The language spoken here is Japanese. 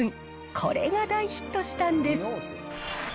これが大ヒットしたんです。